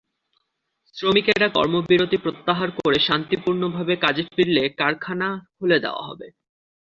শ্রমিকেরা কর্মবিরতি প্রত্যাহার করে শান্তিপূর্ণভাবে কাজে ফিরলে কারখানা খুলে দেওয়া হবে।